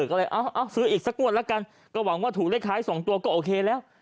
ก็เลยเอาซื้ออีกสักงวดละกันก็หวังว่าถูกเลขท้าย๒ตัวก็โอเคแล้ว